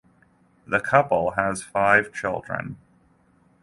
The couple has five children.